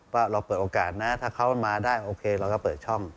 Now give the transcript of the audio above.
ว่าเราเปิดโอกาสนะถ้าเขามาได้โอเคเราก็เปิดช่อง